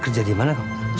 kerja di mana kong